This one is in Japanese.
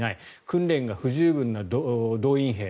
訓練が不十分な動員兵